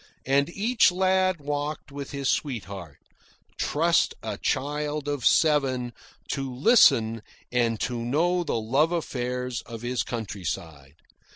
And each lad walked with his sweetheart trust a child of seven to listen and to know the love affairs of his countryside.